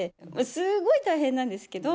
すごい大変なんですけど。